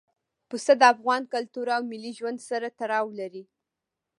پسه د افغان کلتور او ملي ژوند سره تړاو لري.